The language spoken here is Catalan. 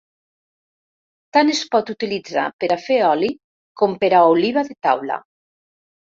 Tant es pot utilitzar per a fer oli com per a oliva de taula.